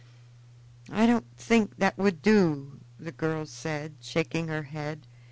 "I don't think that would do," the girl said, shaking her head.